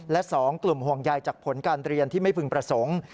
และ๒กลุ่มห่วงใยจากผลการเรียนที่ไม่พึงประสงค์